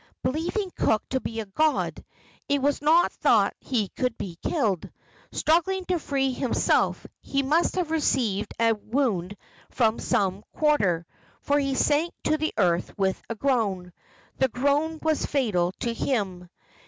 Believing Cook to be a god, it was not thought that he could be killed. Struggling to free himself, he must have received a wound from some quarter, for he sank to the earth with a groan. The groan was fatal to him.